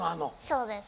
そうです。